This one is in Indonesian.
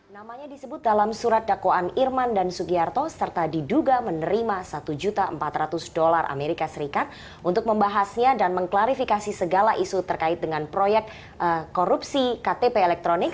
namanya disebut dalam surat dakwaan irman dan sugiharto serta diduga menerima satu empat ratus dolar as untuk membahasnya dan mengklarifikasi segala isu terkait dengan proyek korupsi ktp elektronik